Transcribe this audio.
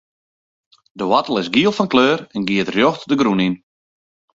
De woartel is giel fan kleur en giet rjocht de grûn yn.